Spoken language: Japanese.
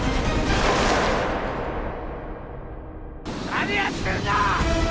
何やってるんだ！